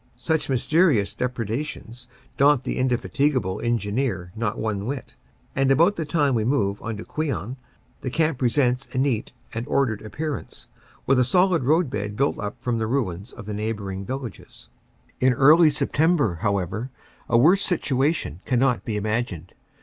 Such mysterious depredations daunt the indefatigable engineer not one whit, and about the time we move on to Queant, the camp presents a neat and ordered ap 13 178 CANADA S HUNDRED DAYS pearance, with a solid roadbed built up from the ruins of neighboring villages. In early September, however, a worse situation cannot be imagined.